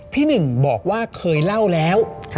พี่หนึ่งบอกว่าเคยเล่าแล้ว